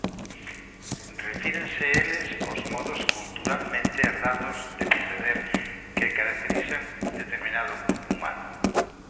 Refírense eles aos modos "culturalmente" herdados de proceder que caracterizan un determinado grupo humano.